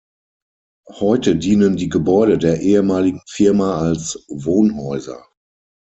Heute dienen die Gebäude der ehemaligen Firma als Wohnhäuser.